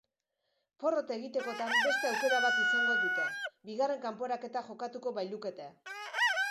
Porrot egitekotan, beste aukera bat izango dute, bigarren kanporaketa jokatuko bailukete.